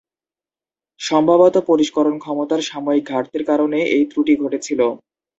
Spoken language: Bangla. সম্ভবত পরিষ্করণ ক্ষমতার সাময়িক ঘাটতির কারণে এই ত্রুটি ঘটেছিল।